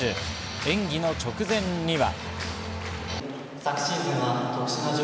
演技の直前には。